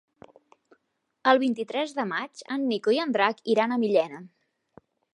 El vint-i-tres de maig en Nico i en Drac iran a Millena.